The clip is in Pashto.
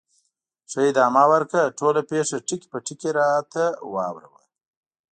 ښه، ادامه ورکړه، ټوله پېښه ټکي په ټکي راته واوره وه.